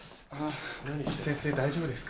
・先生大丈夫ですか？